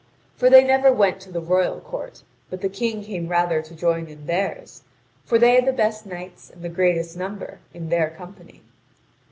For they never went to the royal court, but the King came rather to join in theirs, for they had the best knights, and the greatest number, in their company.